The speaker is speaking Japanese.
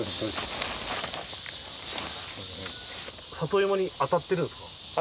里芋に当たってるんですか？